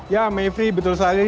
ya mayfree betul sekali